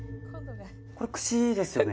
これくしですよね？